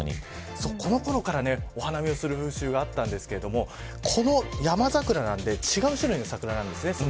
このころからお花見をする風習があったんですがこのヤマザクラなんで違う種類の桜なんですね。